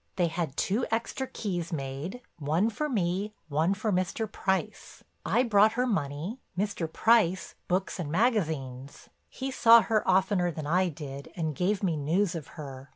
They had two extra keys made, one for me, one for Mr. Price. I brought her money, Mr. Price books and magazines. He saw her oftener than I did, and gave me news of her.